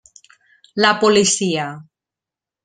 La policia.